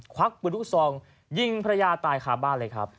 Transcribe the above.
ควักปืนลูกซองยิงภรรยาตายคาบ้านเลยครับ